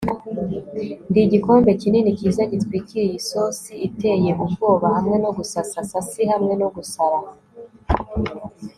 ndi igikombe kinini cyiza gitwikiriye isosi iteye ubwoba hamwe no gusasa sassy hamwe no gusara